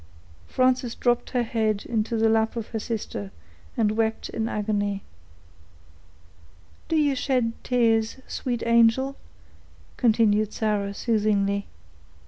Frances dropped her head into the lap of her sister, and wept in agony. "Do you shed tears, sweet angel?" continued Sarah, soothingly.